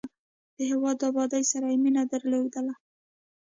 د هېواد د ابادۍ سره یې مینه درلودل.